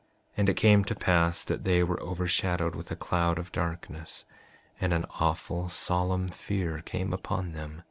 5:28 And it came to pass that they were overshadowed with a cloud of darkness, and an awful solemn fear came upon them.